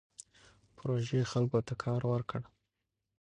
پروژه خلکو ته کار ورکړ.